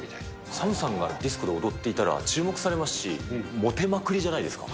ＳＡＭさんがディスコで踊っていたら、注目されますし、もてまくりじゃないですか。